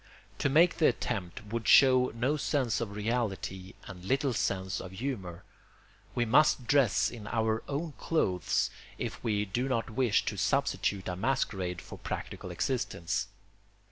To make the attempt would show no sense of reality and little sense of humour. We must dress in our own clothes, if we do not wish to substitute a masquerade for practical existence.